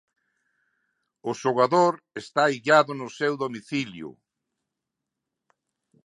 O xogador está illado no seu domicilio.